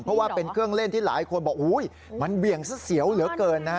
เพราะว่าเป็นเครื่องเล่นที่หลายคนบอกมันเบี่ยงซะเสียวเหลือเกินนะฮะ